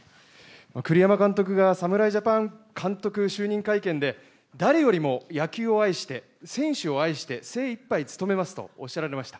栗山監督が侍ジャパン監督就任会見で誰よりも野球を愛して選手を愛して精いっぱい努めますとおっしゃられました。